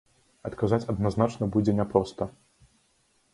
Адказаць адназначна будзе няпроста.